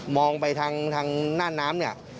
มองไปทางหน้าน้ำ